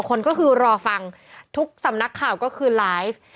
คนก็คือรอฟังทุกสำนักข่าวก็คือไลฟ์